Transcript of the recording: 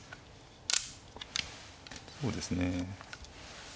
そうですね。